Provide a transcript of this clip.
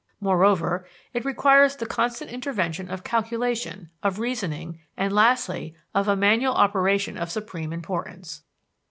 Moreover, it requires the constant intervention of calculation, of reasoning, and lastly, of a manual operation of supreme importance.